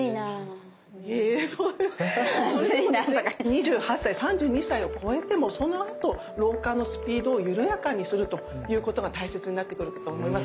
２８歳３２歳を越えてもそのあと老化のスピードを緩やかにするということが大切になってくるかと思います。